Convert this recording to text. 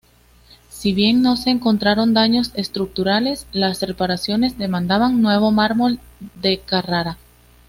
Si bien no se encontraron daños estructurales, las reparaciones demandaban nuevo mármol de Carrara.